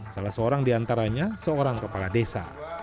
salah seorang diantaranya seorang kepala desa